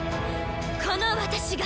この私が！